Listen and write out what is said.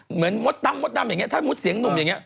เหมือนมดตั้งมดตั้งอย่างนี้ถ้ามดเสียงหนุ่มอย่างนี้